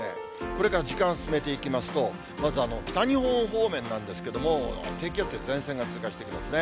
これから時間進めていきますと、まず北日本方面なんですけれども、低気圧や前線が通過していきますね。